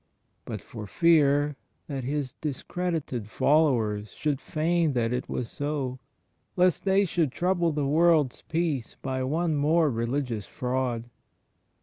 but for fear that His discredited followers should feign that it was so, — lest they shoidd trouble the world's peace by one more religious fraud.